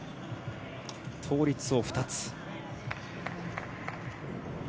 倒立を２つ。